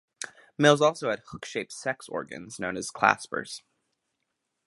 Males also had hook-shaped sex organs, known as claspers.